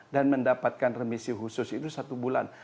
dan mendapatkan remisi khusus itu satu bulan